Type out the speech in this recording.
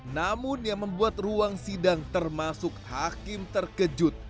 namun yang membuat ruang sidang termasuk hakim terkejut